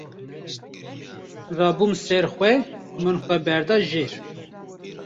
rabûm ser xwe, min xwe berda jêr